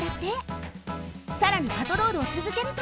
さらにパトロールをつづけると。